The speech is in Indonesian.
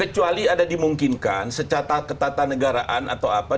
kecuali ada dimungkinkan secatat ketatanegaraan atau apa